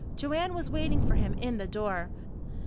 Joanne was waiting for him in the door.